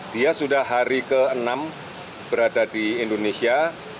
dia sudah hari ke enam berada di indonesia